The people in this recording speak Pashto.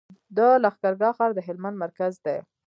د لښکرګاه ښار د هلمند مرکز دی